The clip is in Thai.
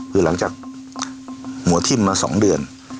คือหลังจากหัวทิ้มมา๒เดือน